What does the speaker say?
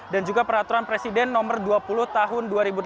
dan juga peraturan presiden no dua puluh tahun dua ribu delapan belas